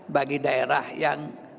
bagi daerah yang